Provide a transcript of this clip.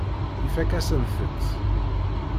Ifakk-asent-tt.